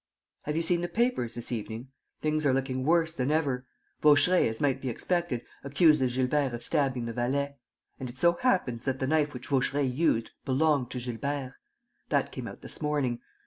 "Have you seen the papers this evening? Things are looking worse than ever. Vaucheray, as might be expected, accuses Gilbert of stabbing the valet; and it so happens that the knife which Vaucheray used belonged to Gilbert. That came out this morning.